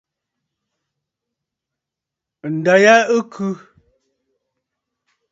Ǹda ya ɨ khɨ.